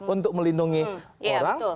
untuk melindungi orang